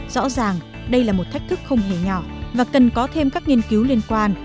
rõ ràng đây là một thách thức không hề nhỏ và cần có thêm các nghiên cứu liên quan